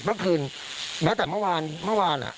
เมื่อคืนแม้แต่เมื่อวานเมื่อวาน